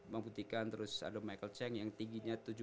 membuktikan terus ada michael chang yang tingginya tujuh puluh